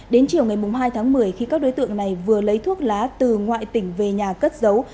đến chiều ngày hai tháng một mươi khi các đối tượng này vừa lấy thuốc lá từ ngoại tỉnh về nhà cất giấu